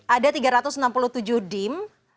ada tiga ratus enam puluh tujuh dim